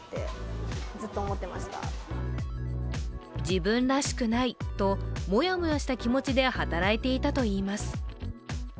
自分らしくないともやもやした気持ちで働いていたといいます。